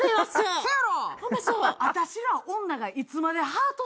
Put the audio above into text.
そやろ！